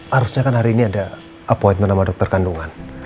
harusnya kan hari ini ada appointment sama dokter kandungan